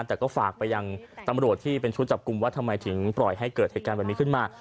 แต่ก็ฝากไปยังตำรวจที่เป็นชุดจับกลุ่มว่าทำไมถึงปล่อยให้เกิดเหตุการณ์แบบนี้ขึ้นมา